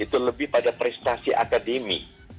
dan itu lebih pada prestasi akademik